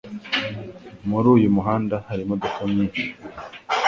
Muri uyu muhanda hari imodoka nyinshi.